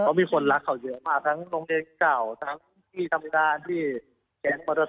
เพราะมีคนรักเขาเยอะมากทั้งโรงเรียนเก่าทั้งที่ทำงานที่แก๊งมอเตอร์ไซ